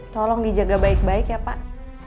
tolong dijaga baik baik ya pak